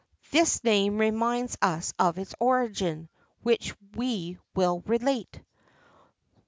This name reminds us of its origin, which we will relate.